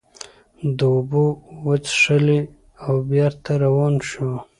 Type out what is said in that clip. ده اوبه وڅښلې او بېرته روان شو.